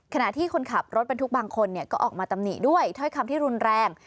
ขณะที่คนขับรถบรรทุกบางคนก็ออกมาตำหนิด้วยถ้อยคำที่รุนแรง